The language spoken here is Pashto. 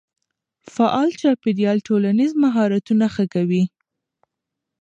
فعال چاپېريال ټولنیز مهارتونه ښه کوي.